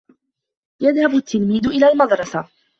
يَذْهَبُ التِّلْميذُ إِلَى الْمَدْرَسَةِ.